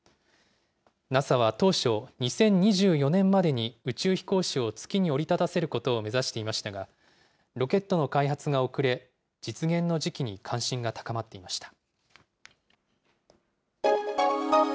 ＮＡＳＡは当初、２０２４年までに宇宙飛行士を月に降り立たせることを目指していましたが、ロケットの開発が遅れ、実現の時期に関心が高まっていました。